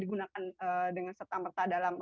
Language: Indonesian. digunakan dengan serta merta dalam